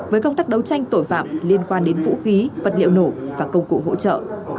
với công tác đấu tranh tội phạm liên quan đến vũ khí vật liệu nổ và công cụ hỗ trợ